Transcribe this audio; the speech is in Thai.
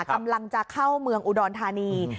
กำลังจะเข้าเมืองอุดรธานี